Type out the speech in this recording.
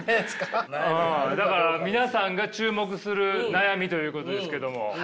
だから皆さんが注目する悩みということですけども。